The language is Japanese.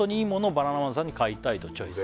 「バナナマンさんに買いたいとチョイス」